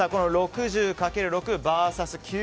６０かける６バーサス９０。